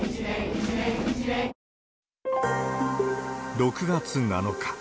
６月７日。